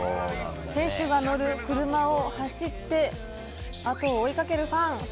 選手が乗る車を走ってあとを追いかけるファン。